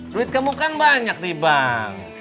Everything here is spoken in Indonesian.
duit kamu kan banyak di bank